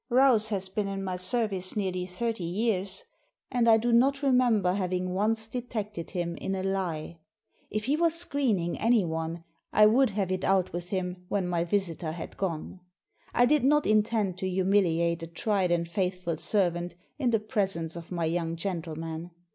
Rouse has been in my service nearly thirty years, and I do not remember having once detected him in a lie. If he was screening anyone, I would have it out with him when my visitor had gone. I did not intend to humiliate a tried and faithful servant in the presence of my young gentleman.